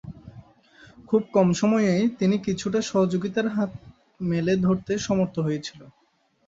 খুব কম সময়েই তিনি কিছুটা সহযোগিতার হাতে মেলে ধরতে সমর্থ হয়েছিলেন।